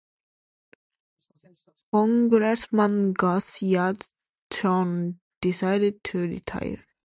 Congressman Gus Yatron decided to retire.